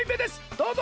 どうぞ！